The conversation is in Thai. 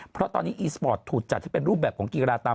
เพราะตอนนี้อีสปอร์ตถูกจัดให้เป็นรูปแบบของกีฬาตาม